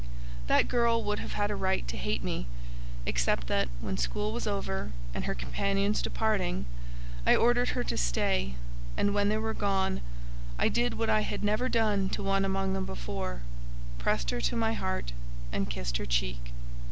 That girl would have had a right to hate me, except that, when school was over and her companions departing, I ordered her to stay, and when they were gone, I did what I had never done to one among them before—pressed her to my heart and kissed her cheek.